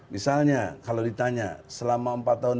misalnya kalau ditanya selama empat tahun